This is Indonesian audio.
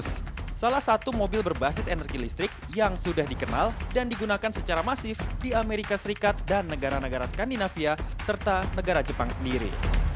salah satu mobil berbasis energi listrik yang sudah dikenal dan digunakan secara masif di amerika serikat dan negara negara skandinavia serta negara jepang sendiri